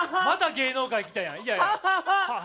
また芸能界やん。